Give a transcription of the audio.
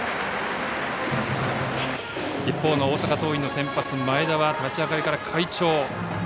一方の大阪桐蔭の先発、前田は立ち上がりから快調。